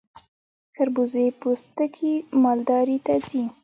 د خربوزې پوستکي مالداري ته ځي.